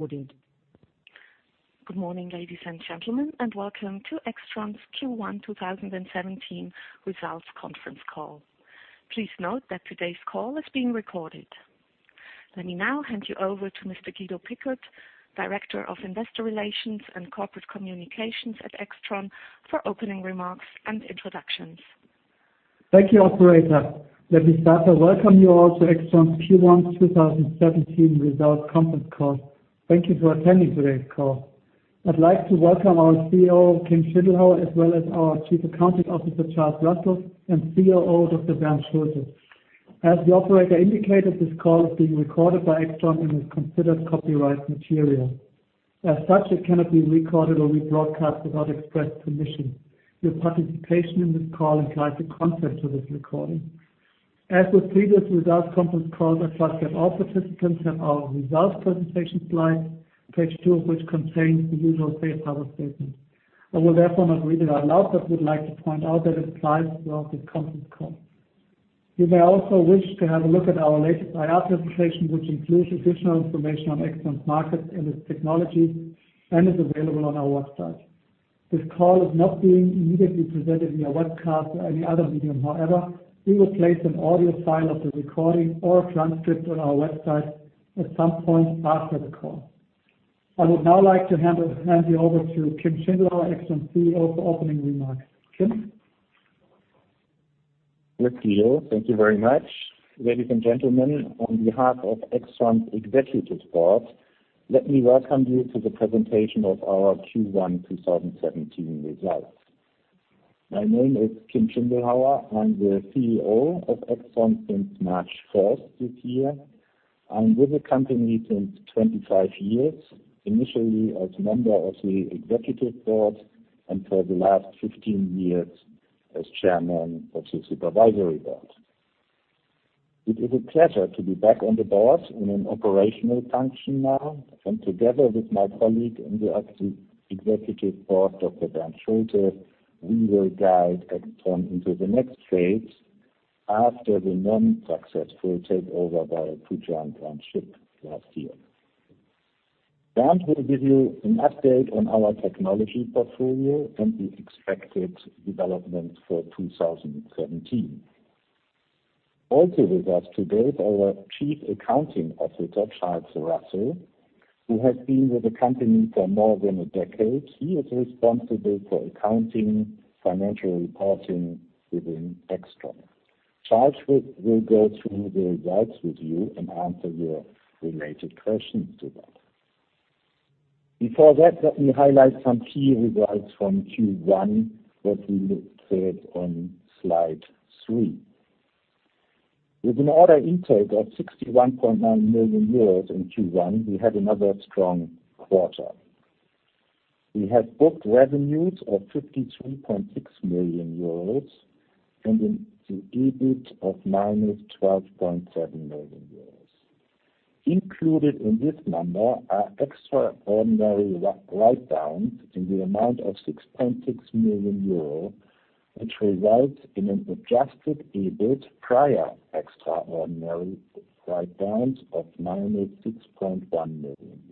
Good morning, ladies and gentlemen, and welcome to AIXTRON's Q1 2017 results conference call. Please note that today's call is being recorded. Let me now hand you over to Mr. Guido Pickert, Director of Investor Relations and Corporate Communications at AIXTRON, for opening remarks and introductions. Thank you, operator. Let me start by welcoming you all to AIXTRON's Q1 2017 results conference call. Thank you for attending today's call. I'd like to welcome our CEO, Kim Schindelhauer, as well as our Chief Accounting Officer, Charles Russell, and COO, Dr. Bernd Schulte. As the operator indicated, this call is being recorded by AIXTRON and is considered copyrighted material. As such, it cannot be recorded or rebroadcast without express permission. Your participation in this call implies the consent to this recording. As with previous results conference calls, I trust that all participants have our results presentation slides, page two of which contains the usual safe harbor statement. I will therefore not read it out loud, but would like to point out that it applies throughout this conference call. You may also wish to have a look at our latest IR presentation, which includes additional information on AIXTRON's market and its technology, and is available on our website. This call is not being immediately presented via webcast or any other medium. However, we will place an audio file of the recording or a transcript on our website at some point after the call. I would now like to hand you over to Kim Schindelhauer, AIXTRON's CEO, for opening remarks. Kim? Yes, Guido. Thank you very much. Ladies and gentlemen, on behalf of AIXTRON's Executive Board, let me welcome you to the presentation of our Q1 2017 results. My name is Kim Schindelhauer. I'm the CEO of AIXTRON since March 1st this year. I'm with the company since 25 years, initially as member of the Executive Board and for the last 15 years as Chairman of the Supervisory Board. It is a pleasure to be back on the Board in an operational function now, and together with my colleague in the Executive Board, Dr. Bernd Schulte, we will guide AIXTRON into the next phase after the non-successful takeover by Fujian Grand Chip last year. Bernd will give you an update on our technology portfolio and the expected development for 2017. Also with us today is our Chief Accounting Officer, Charles Russell, who has been with the company for more than a decade. He is responsible for accounting, financial reporting within AIXTRON. Charles will go through the results with you and answer your related questions to that. Before that, let me highlight some key results from Q1 that we state on slide three. With an order intake of 61.9 million euros in Q1, we had another strong quarter. We had booked revenues of 53.6 million euros and an EBIT of minus 12.7 million euros. Included in this number are extraordinary write-downs in the amount of 6.6 million euro, which results in an adjusted EBIT prior extraordinary write-downs of minus EUR 6.1 million.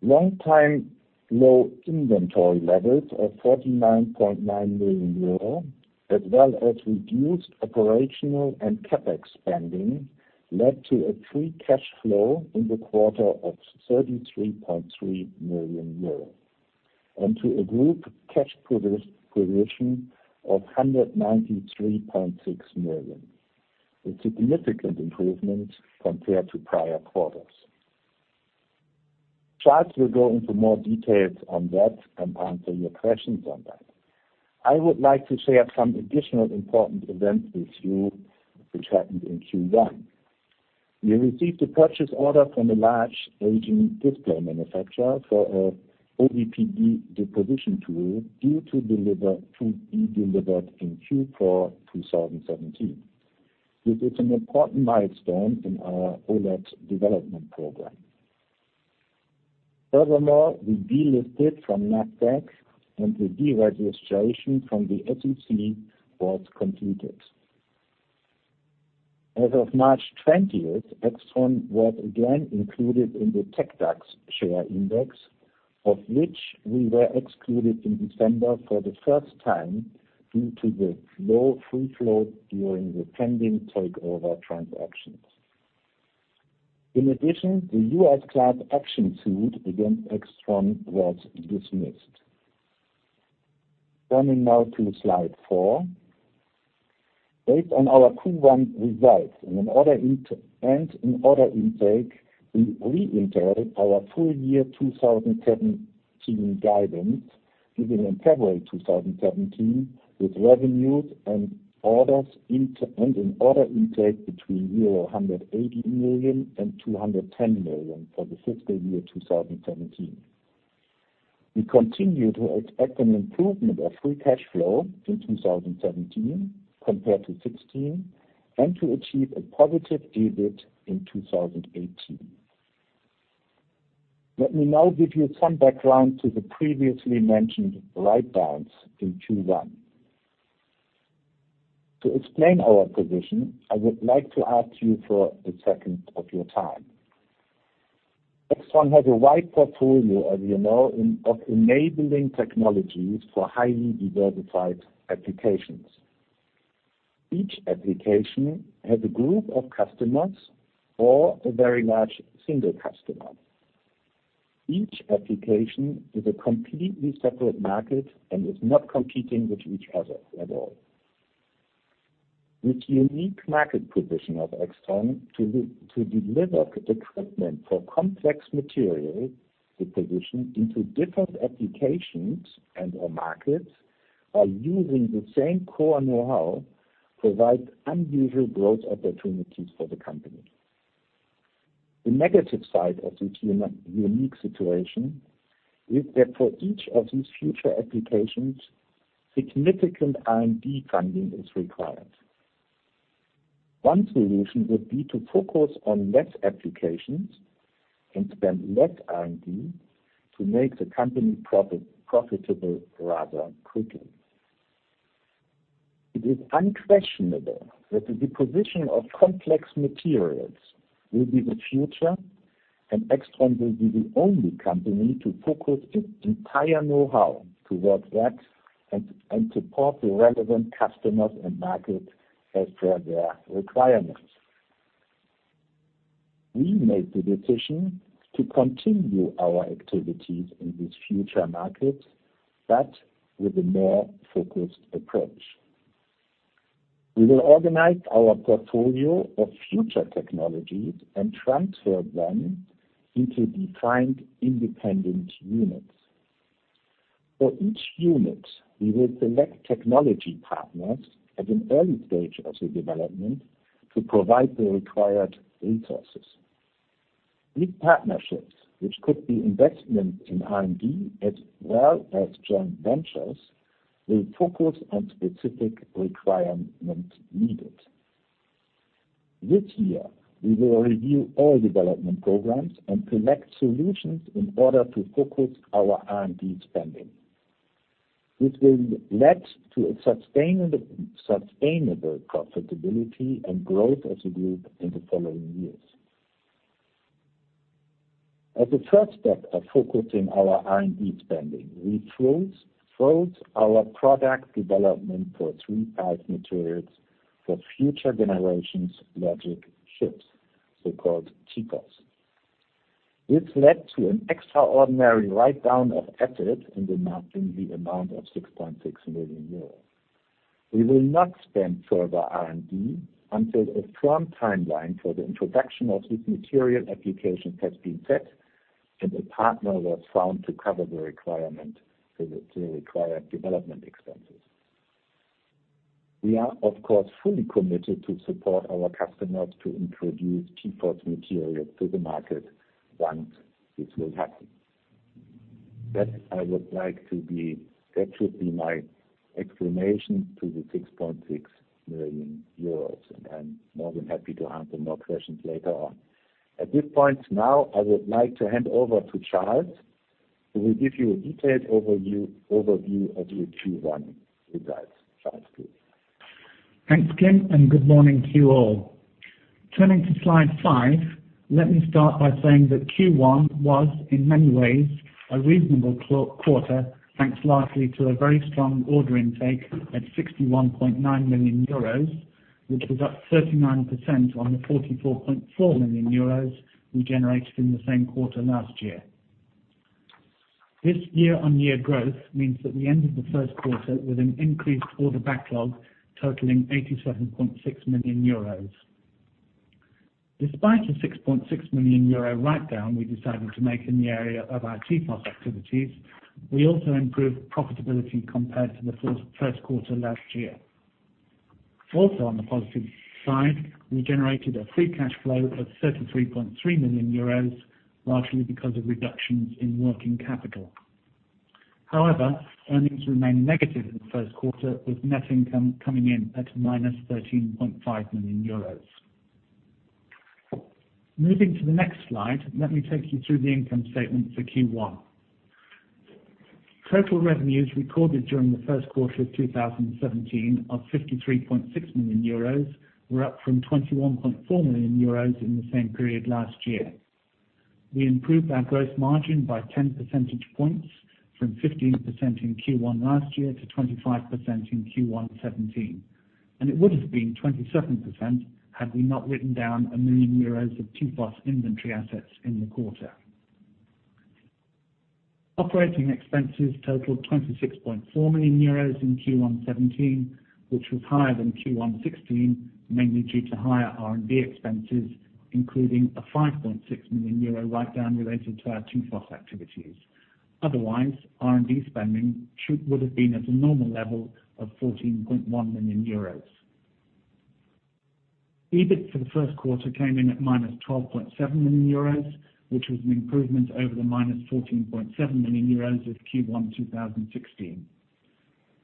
Long time low inventory levels of 49.9 million euro, as well as reduced operational and CapEx spending, led to a free cash flow in the quarter of 33.3 million euros, and to a group cash position of 193.6 million, a significant improvement compared to prior quarters. Charles will go into more details on that and answer your questions on that. I would like to share some additional important events with you, which happened in Q1. We received a purchase order from a large Asian display manufacturer for a OVPD deposition tool due to be delivered in Q4 2017. This is an important milestone in our OLED development program. Furthermore, we delisted from NASDAQ, and the deregistration from the SEC was completed. As of March 20th, AIXTRON was again included in the TecDAX share index, of which we were excluded in December for the first time due to the low free float during the pending takeover transactions. In addition, the U.S. class action suit against AIXTRON was dismissed. Turning now to slide four. Based on our Q1 results and in order intake, we reiterate our full year 2017 guidance given in February 2017 with revenues and an order intake between euro 180 million and 210 million for the fiscal year 2017. We continue to expect an improvement of free cash flow in 2017 compared to 2016, and to achieve a positive EBIT in 2018. Let me now give you some background to the previously mentioned write-downs in Q1. To explain our position, I would like to ask you for a second of your time. AIXTRON has a wide portfolio, as you know, of enabling technologies for highly diversified applications. Each application has a group of customers or a very large single customer. Each application is a completely separate market and is not competing with each other at all. This unique market position of AIXTRON to deliver the treatment for complex material, the position into different applications and/or markets are using the same core knowhow, provide unusual growth opportunities for the company. The negative side of this unique situation is that for each of these future applications, significant R&D funding is required. One solution would be to focus on less applications and spend less R&D to make the company profitable rather quickly. It is unquestionable that the deposition of complex materials will be the future, and AIXTRON will be the only company to focus its entire knowhow towards that and support the relevant customers and markets as per their requirements. We made the decision to continue our activities in this future market, but with a more focused approach. We will organize our portfolio of future technologies and transfer them into defined independent units. For each unit, we will select technology partners at an early stage of the development to provide the required resources. These partnerships, which could be investment in R&D as well as joint ventures, will focus on specific requirements needed. This year, we will review all development programs and select solutions in order to focus our R&D spending. This will lead to a sustainable profitability and growth as a group in the following years. As a first step of focusing our R&D spending, we froze our product development for III-V materials for future generations logic chips, the so-called TFOS. This led to an extraordinary write-down of asset in the amount of 6.6 million euros. We will not spend further R&D until a firm timeline for the introduction of this material application has been set and a partner was found to cover the required development expenses. We are, of course, fully committed to support our customers to introduce TFOS materials to the market once this will happen. That should be my explanation to the 6.6 million euros, and I'm more than happy to answer more questions later on. At this point now, I would like to hand over to Charles, who will give you a detailed overview of the Q1 results. Charles, please. Thanks, Kim, and good morning to you all. Turning to slide five, let me start by saying that Q1 was, in many ways, a reasonable quarter, thanks largely to a very strong order intake at 61.9 million euros, which was up 39% on the 44.4 million euros we generated in the same quarter last year. This year-on-year growth means that we ended the first quarter with an increased order backlog totaling 87.6 million euros. Despite the 6.6 million euro write-down we decided to make in the area of our TFOS activities, we also improved profitability compared to the first quarter last year. Also, on the positive side, we generated a free cash flow of 33.3 million euros, largely because of reductions in working capital. However, earnings remained negative in the first quarter, with net income coming in at minus 13.5 million euros. Moving to the next slide, let me take you through the income statement for Q1. Total revenues recorded during the first quarter of 2017 of 53.6 million euros were up from 21.4 million euros in the same period last year. We improved our gross margin by 10 percentage points from 15% in Q1 last year to 25% in Q1 2017. It would have been 27% had we not written down 1 million euros of TFOS inventory assets in the quarter. Operating expenses totaled 26.4 million euros in Q1 2017, which was higher than Q1 2016, mainly due to higher R&D expenses, including a 5.6 million euro write-down related to our TFOS activities. Otherwise, R&D spending would have been at a normal level of 14.1 million euros. EBIT for the first quarter came in at minus 12.7 million euros, which was an improvement over the minus 14.7 million euros of Q1 2016.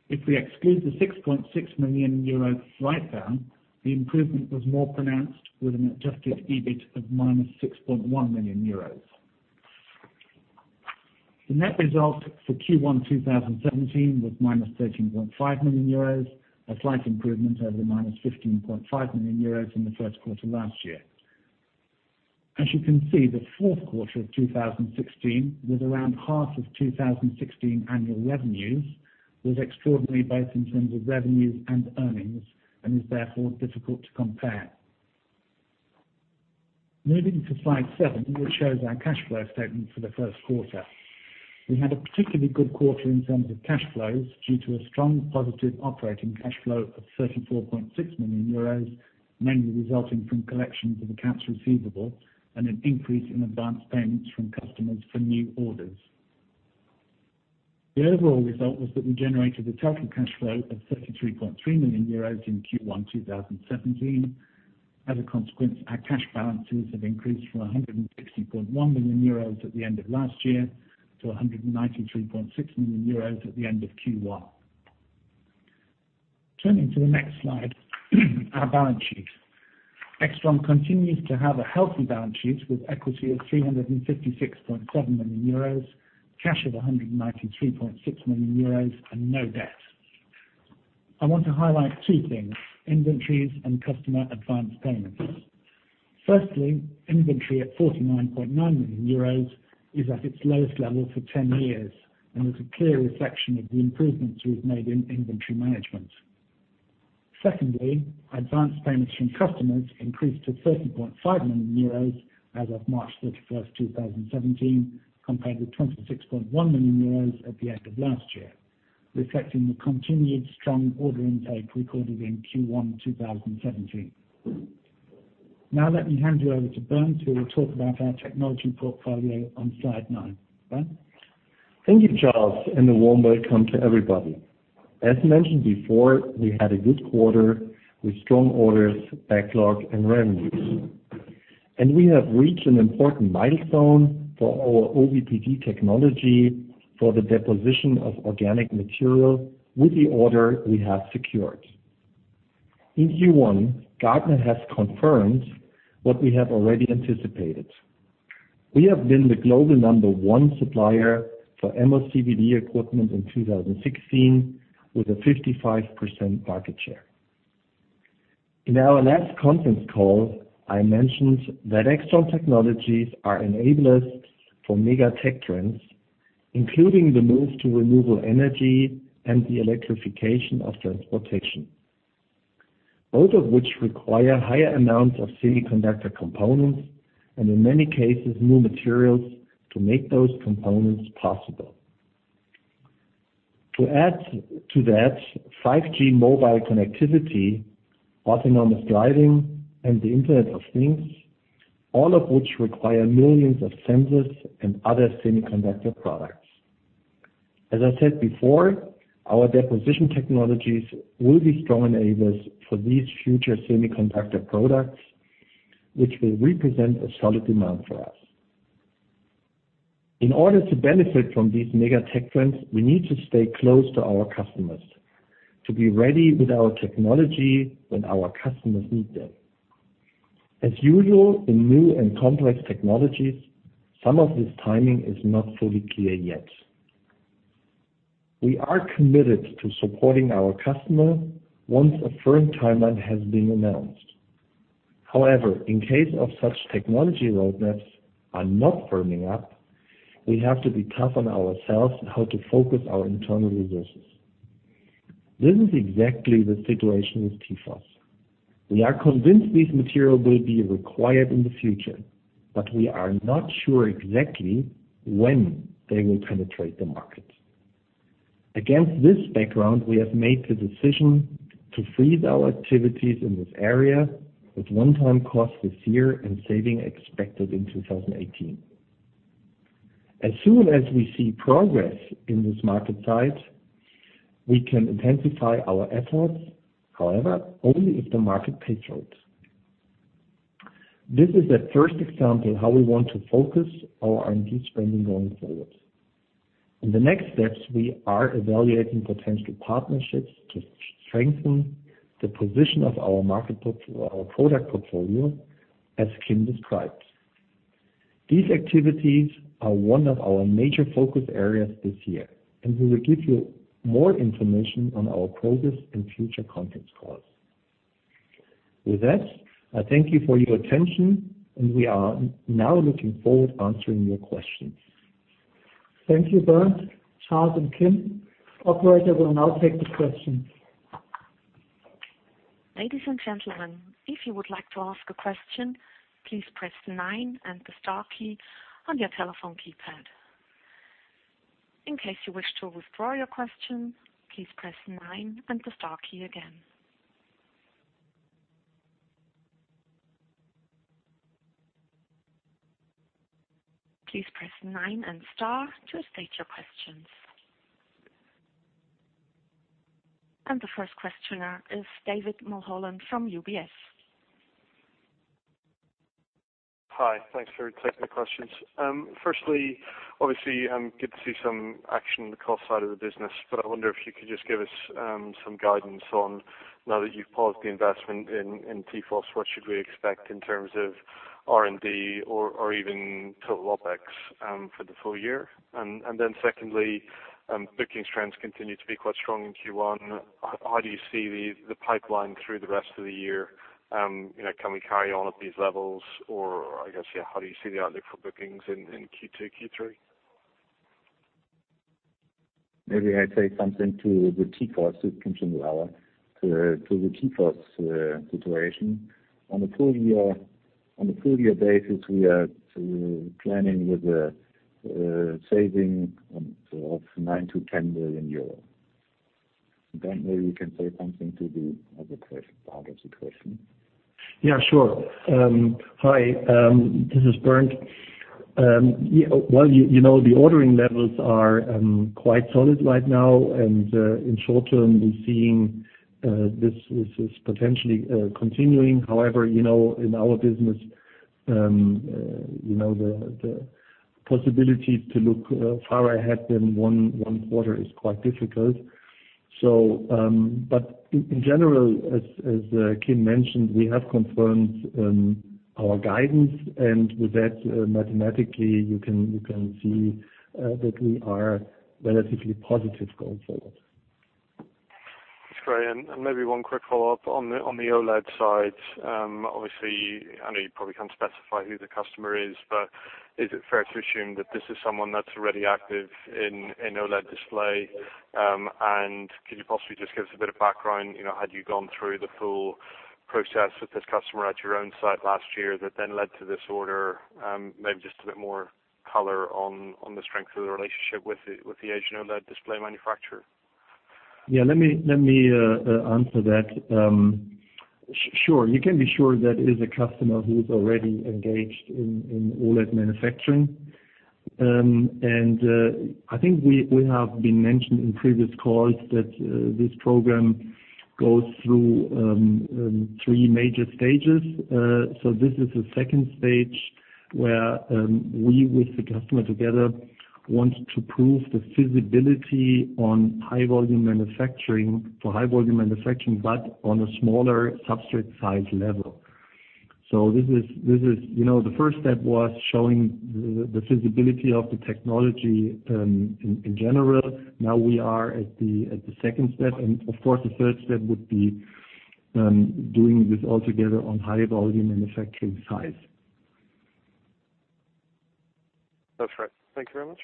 If we exclude the 6.6 million euro write-down, the improvement was more pronounced with an adjusted EBIT of minus 6.1 million euros. The net result for Q1 2017 was minus 13.5 million euros, a slight improvement over the minus 15.5 million euros in the first quarter last year. As you can see, the fourth quarter of 2016 was around half of 2016 annual revenues, was extraordinary both in terms of revenues and earnings, and is therefore difficult to compare. Moving to slide seven, which shows our cash flow statement for the first quarter. We had a particularly good quarter in terms of cash flows due to a strong positive operating cash flow of 34.6 million euros, mainly resulting from collections of accounts receivable and an increase in advance payments from customers for new orders. The overall result was that we generated a total cash flow of 33.3 million euros in Q1 2017. A consequence, our cash balances have increased from 160.1 million euros at the end of last year to 193.6 million euros at the end of Q1. Turning to the next slide, our balance sheet. AIXTRON continues to have a healthy balance sheet with equity of 356.7 million euros, cash of 193.6 million euros, and no debt. I want to highlight two things, inventories and customer advance payments. Firstly, inventory at 49.9 million euros is at its lowest level for 10 years and is a clear reflection of the improvements we've made in inventory management. Secondly, advance payments from customers increased to 30.5 million euros as of March 31st, 2017, compared with 26.1 million euros at the end of last year, reflecting the continued strong order intake recorded in Q1 2017. Let me hand you over to Bernd, who will talk about our technology portfolio on slide nine. Bernd? Thank you, Charles, a warm welcome to everybody. Mentioned before, we had a good quarter with strong orders, backlog, and revenues. We have reached an important milestone for our OVPD technology for the deposition of organic material with the order we have secured. In Q1, Gartner has confirmed what we have already anticipated. We have been the global number one supplier for MOCVD equipment in 2016 with a 55% market share. In our last conference call, I mentioned that AIXTRON technologies are enablers for mega tech trends, including the move to renewable energy and the electrification of transportation, both of which require higher amounts of semiconductor components and, in many cases, new materials to make those components possible. To add to that, 5G mobile connectivity, autonomous driving, and the Internet of Things, all of which require millions of sensors and other semiconductor products. I said before, our deposition technologies will be strong enablers for these future semiconductor products, which will represent a solid demand for us. In order to benefit from these mega tech trends, we need to stay close to our customers to be ready with our technology when our customers need them. As usual in new and complex technologies, some of this timing is not fully clear yet. We are committed to supporting our customer once a firm timeline has been announced. In case of such technology roadmaps are not firming up, we have to be tough on ourselves on how to focus our internal resources. This is exactly the situation with TFOS. We are convinced this material will be required in the future, but we are not sure exactly when they will penetrate the market. Against this background, we have made the decision to freeze our activities in this area with one-time cost this year and saving expected in 2018. As soon as we see progress in this market side, we can intensify our efforts, however, only if the market pays for it. This is the first example how we want to focus our R&D spending going forward. In the next steps, we are evaluating potential partnerships to strengthen the position of our product portfolio, as Kim described. These activities are one of our major focus areas this year, and we will give you more information on our progress in future conference calls. With that, I thank you for your attention, and we are now looking forward to answering your questions. Thank you, Bernd, Charles, and Kim. Operator will now take the questions. Ladies and gentlemen, if you would like to ask a question, please press 9 and the Star key on your telephone keypad. In case you wish to withdraw your question, please press 9 and the Star key again. Please press 9 and Star to state your questions. The first questioner is David Mulholland from UBS. Hi, thanks for taking the questions. Firstly, obviously, good to see some action on the cost side of the business, I wonder if you could just give us some guidance on, now that you've paused the investment in TFOS, what should we expect in terms of R&D or even total OpEx for the full year? Secondly, bookings trends continue to be quite strong in Q1. How do you see the pipeline through the rest of the year? Can we carry on at these levels? I guess, how do you see the outlook for bookings in Q2, Q3? Maybe I say something to the TFOS situation, Kim Schindelhauer. On the full year basis, we are planning with a saving of 9 million-10 million euros. Maybe you can say something to the other part of the question. Sure. Hi, this is Bernd. You know the ordering levels are quite solid right now, in short term, we're seeing this is potentially continuing. In our business, the possibilities to look far ahead than one quarter is quite difficult. In general, as Kim mentioned, we have confirmed our guidance, with that, mathematically, you can see that we are relatively positive going forward. That's great. Maybe one quick follow-up on the OLED side. Obviously, I know you probably can't specify who the customer is it fair to assume that this is someone that's already active in OLED display? Could you possibly just give us a bit of background? Had you gone through the full process with this customer at your own site last year that led to this order? Maybe just a bit more color on the strength of the relationship with the Asian OLED display manufacturer. Let me answer that. Sure. You can be sure that it is a customer who is already engaged in OLED manufacturing. I think we have been mentioned in previous calls that this program goes through three major stages. This is the second stage where we, with the customer together, want to prove the feasibility for high volume manufacturing, but on a smaller substrate size level. The first step was showing the feasibility of the technology in general. We are at the second step, of course, the third step would be doing this all together on high volume manufacturing size. That's right. Thank you very much.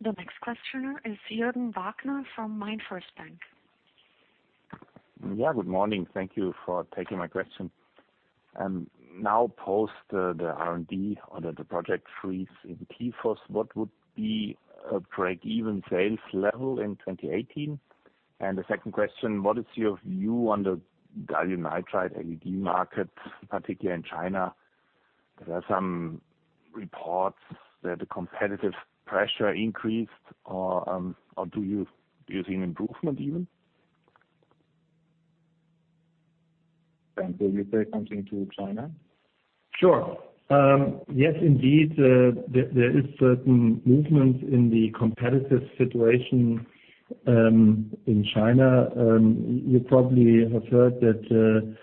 The next questioner is Jürgen Wagner from MainFirst Bank. Yeah, good morning. Thank you for taking my question. Now post the R&D under the project freeze in TFOS, what would be a break-even sales level in 2018? The second question, what is your view on the gallium nitride LED market, particularly in China? There are some reports that the competitive pressure increased, or do you see an improvement even? Bernd, will you say something to China? Sure. Yes, indeed, there is certain movement in the competitive situation in China. You probably have heard that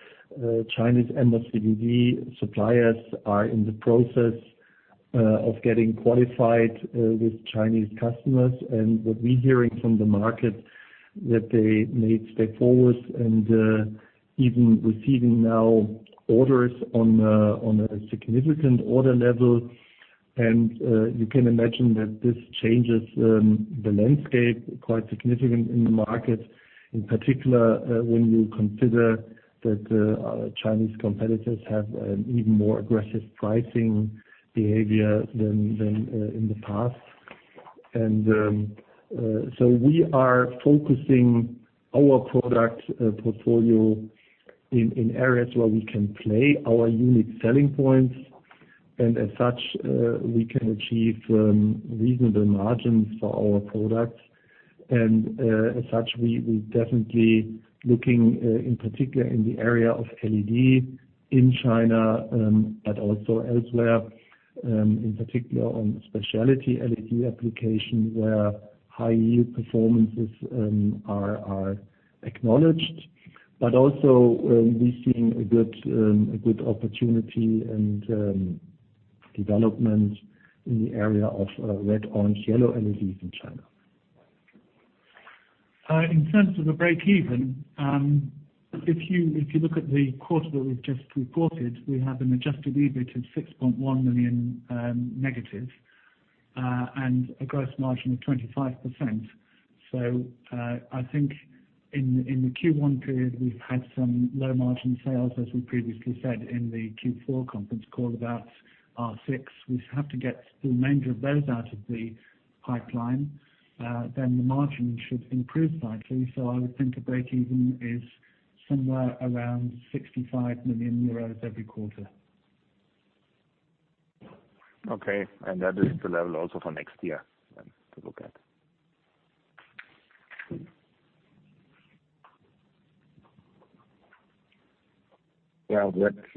Chinese MOCVD suppliers are in the process of getting qualified with Chinese customers. What we're hearing from the market that they made step forwards and even receiving now orders on a significant order level. You can imagine that this changes the landscape quite significant in the market, in particular, when you consider that Chinese competitors have an even more aggressive pricing behavior than in the past. We are focusing our product portfolio in areas where we can play our unique selling points, and as such, we can achieve reasonable margins for our products. As such, we definitely looking in particular in the area of LED in China, but also elsewhere, in particular on specialty LED applications where high-yield performances are acknowledged. Also, we're seeing a good opportunity and development in the area of red, orange, yellow LEDs in China. In terms of the break-even, if you look at the quarter that we've just reported, we have an adjusted EBIT of 6.1 million negative, and a gross margin of 25%. I think in the Q1 period, we've had some low-margin sales, as we previously said in the Q4 conference call about R6. We have to get the remainder of those out of the pipeline. The margin should improve slightly. I would think a break-even is somewhere around 65 million euros every quarter. Okay. That is the level also for next year then to look at? Well,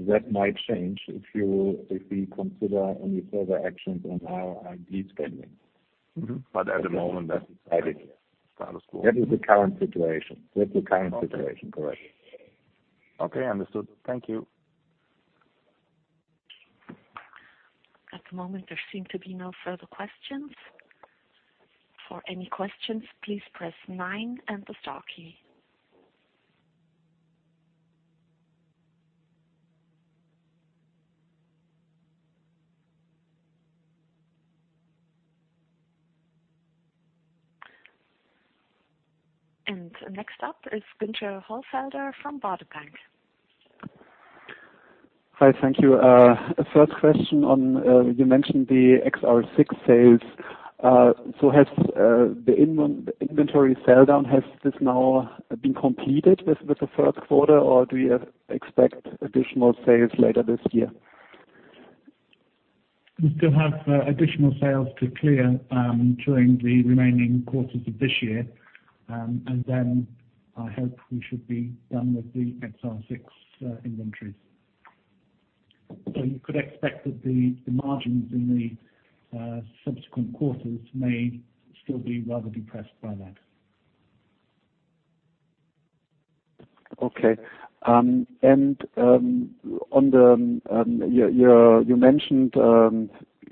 that might change if we consider any further actions on our IP spending. At the moment, that's static. Status quo. That is the current situation. Correct. Okay. Understood. Thank you. At the moment, there seem to be no further questions. For any questions, please press nine and the star key. Next up is from Baader Bank. Hi, thank you. A third question on, you mentioned the AIX R6 sales. Has the inventory sell down, has this now been completed with the first quarter, or do you expect additional sales later this year? We still have additional sales to clear during the remaining quarters of this year. Then I hope we should be done with the AIX R6 inventories. You could expect that the margins in the subsequent quarters may still be rather depressed by that. You mentioned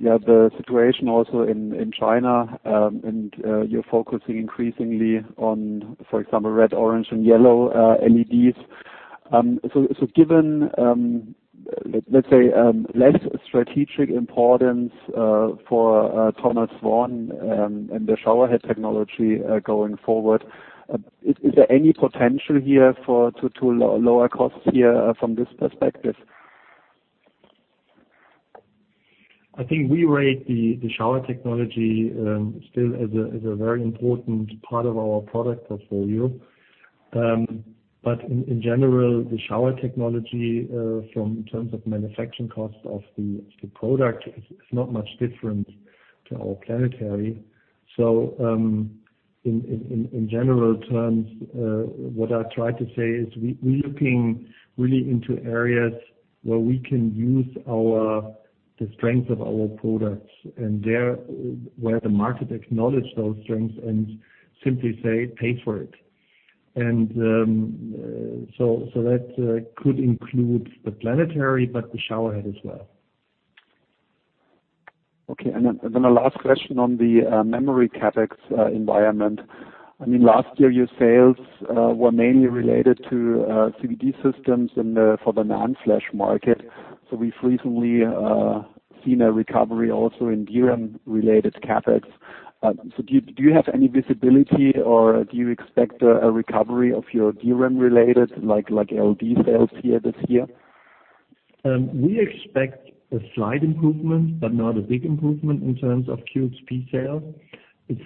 the situation also in China, and you are focusing increasingly on, for example, red, orange, and yellow LEDs. Given, let's say, less strategic importance for Thomas Swan and the showerhead technology going forward, is there any potential here to lower costs here from this perspective? I think we rate the shower technology still as a very important part of our product portfolio. In general, the shower technology from terms of manufacturing cost of the product is not much different to our Planetary Reactor. In general terms, we are looking really into areas where we can use the strength of our products and where the market acknowledge those strengths and simply say, "Pay for it." That could include the Planetary Reactor, but the showerhead as well. The last question on the memory CapEx environment. Last year, your sales were mainly related to CVD systems and for the NAND flash market. We have recently seen a recovery also in DRAM-related CapEx. Do you have any visibility, or do you expect a recovery of your DRAM-related ALD sales here this year? We expect a slight improvement, but not a big improvement in terms of QXP-8300 sales.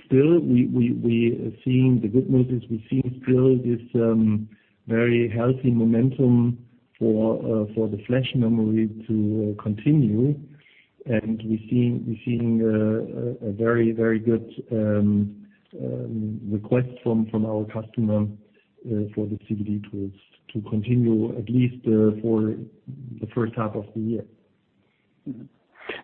Still, the good news is we see still this very healthy momentum for the flash memory to continue, and we are seeing a very good request from our customer for the CVD tools to continue at least for the first half of the year.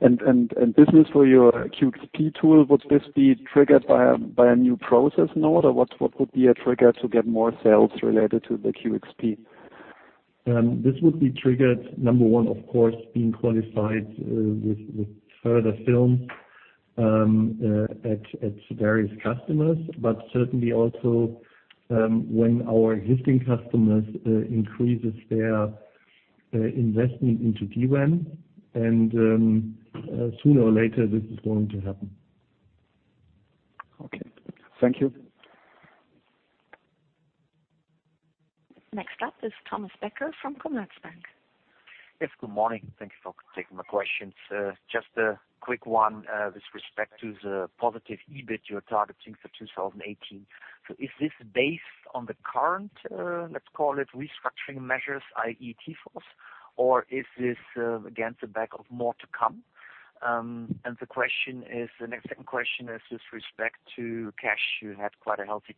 Business for your QXP-8300 tool, would this be triggered by a new process node? Or what would be a trigger to get more sales related to the QXP-8300? This would be triggered, number one, of course, being qualified with further film at various customers. Certainly also when our existing customers increases their investment into DRAM and sooner or later, this is going to happen. Okay. Thank you. Next up is Thomas Becker from Commerzbank. Yes, good morning. Thank you for taking my questions. Just a quick one with respect to the positive EBIT you're targeting for 2018. Is this based on the current, let's call it restructuring measures, i.e. TFOS? Is this against the back of more to come? The next second question is with respect to cash. You had quite a healthy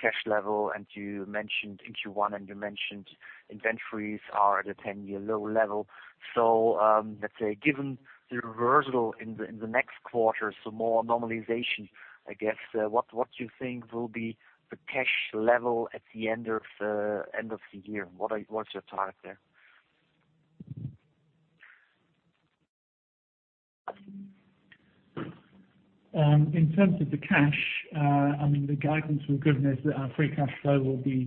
cash level, and you mentioned in Q1 and you mentioned inventories are at a 10-year low level. Let's say given the reversal in the next quarter, more normalization, I guess, what you think will be the cash level at the end of the year? What's your target there? In terms of the cash, the guidance we've given is that our free cash flow will be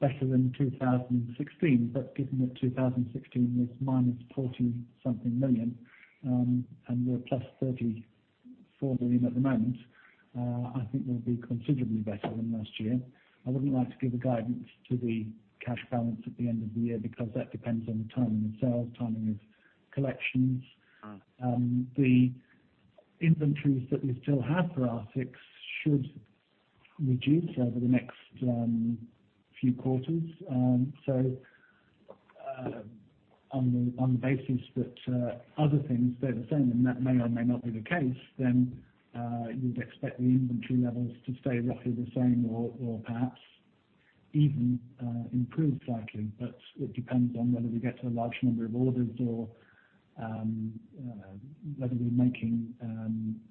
better than 2016. Given that 2016 was minus 40 something million, and we're plus 34 million at the moment, I think we'll be considerably better than last year. I wouldn't like to give a guidance to the cash balance at the end of the year because that depends on the timing of sales, timing of collections. The inventories that we still have for R6 should reduce over the next few quarters. On the basis that other things stay the same, and that may or may not be the case, you would expect the inventory levels to stay roughly the same or perhaps even improve slightly. It depends on whether we get a large number of orders or whether we're making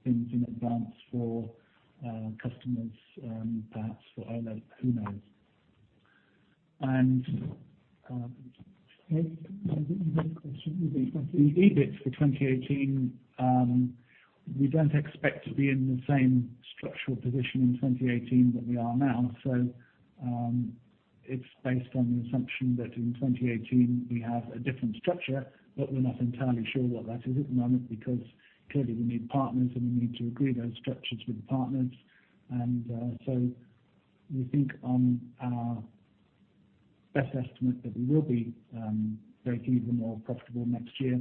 things in advance for customers, perhaps for OLED, who knows. The EBIT for 2018, we don't expect to be in the same structural position in 2018 that we are now. It's based on the assumption that in 2018 we have a different structure, we're not entirely sure what that is at the moment, because clearly we need partners and we need to agree those structures with the partners. We think on our best estimate that we will be breaking even or profitable next year.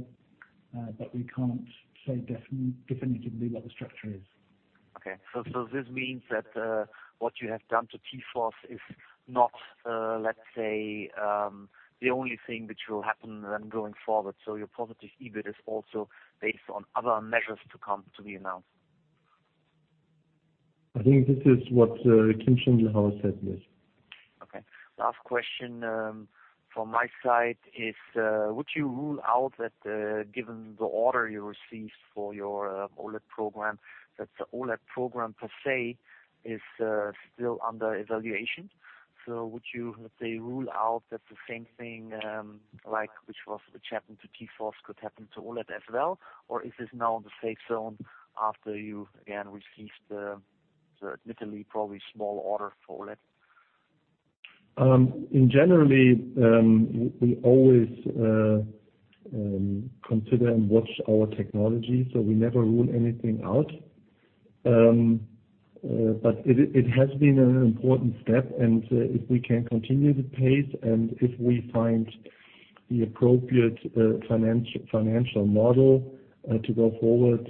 We can't say definitively what the structure is. Okay. This means that what you have done to T-Force is not, let's say, the only thing which will happen then going forward. Your positive EBIT is also based on other measures to come to be announced. I think this is what Kim Schindelhauer said, yes. Okay. Last question from my side is, would you rule out that, given the order you received for your OLED program, that the OLED program per se is still under evaluation? Would you, let's say, rule out that the same thing, like which happened to T-Force, could happen to OLED as well? Or is this now in the safe zone after you again received the admittedly probably small order for OLED? In general, we always consider and watch our technology, so we never rule anything out. It has been an important step, and if we can continue the pace and if we find the appropriate financial model to go forward,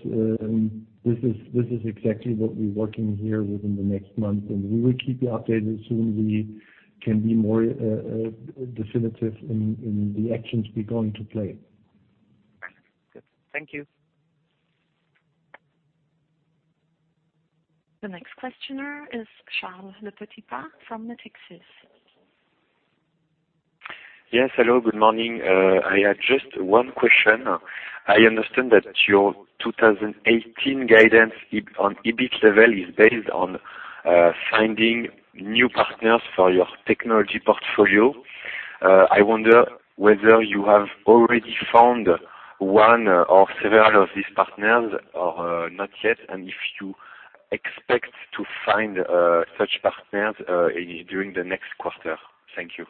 this is exactly what we're working here within the next month, and we will keep you updated as soon we can be more definitive in the actions we're going to play. Good. Thank you. The next questioner is Charles Lepetitpas from Natixis. Yes. Hello, good morning. I had just one question. I understand that your 2018 guidance on EBIT level is based on finding new partners for your technology portfolio. I wonder whether you have already found one or several of these partners or not yet, and if you expect to find such partners during the next quarter. Thank you.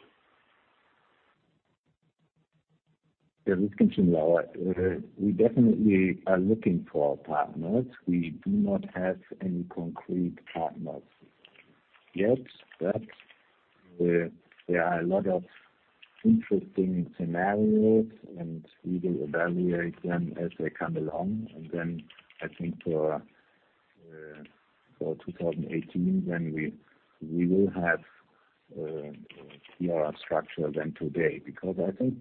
Yeah, this is Kim Schindelhauer. We definitely are looking for partners. We do not have any concrete partners yet, but there are a lot of interesting scenarios, and we will evaluate them as they come along. I think for 2018, then we will have more structure than today. I think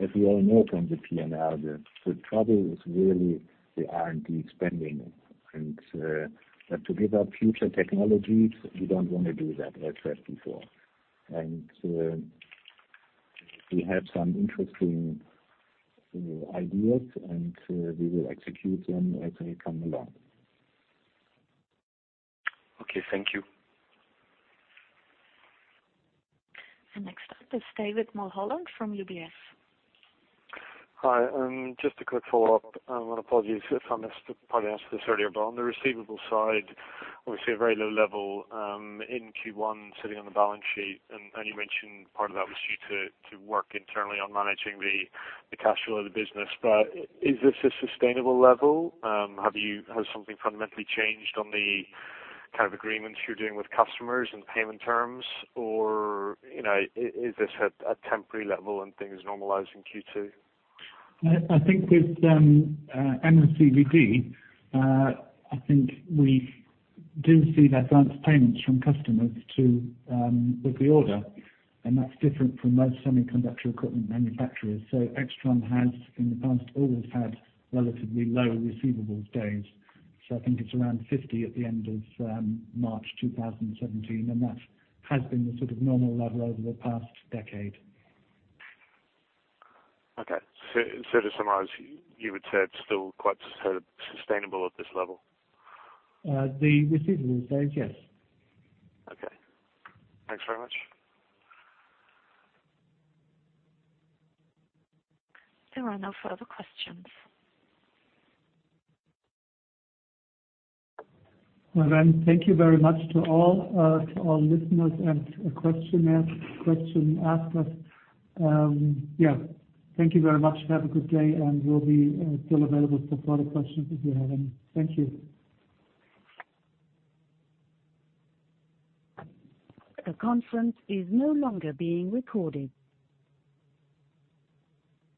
as we all know from the P&L, the trouble is really the R&D spending. To give up future technologies, we don't want to do that as said before. We have some interesting ideas, and we will execute them as they come along. Okay. Thank you. Next up is David Mulholland from UBS. Hi. Just a quick follow-up, apologies if I missed it, probably answered this earlier. On the receivable side, obviously a very low level in Q1 sitting on the balance sheet. You mentioned part of that was due to work internally on managing the cash flow of the business. Is this a sustainable level? Has something fundamentally changed on the kind of agreements you are doing with customers and payment terms? Is this a temporary level and things normalize in Q2? I think with MOCVD, I think we do see the advance payments from customers with the order, that's different from most semiconductor equipment manufacturers. AIXTRON has, in the past, always had relatively low receivables days. I think it's around 50 at the end of March 2017, that has been the sort of normal level over the past decade. Okay. To summarize, you would say it's still quite sustainable at this level? The receivables says yes. Okay. Thanks very much. There are no further questions. Thank you very much to all our listeners and questioners, question askers. Yeah, thank you very much. Have a good day, and we'll be still available for further questions if you have any. Thank you. The conference is no longer being recorded.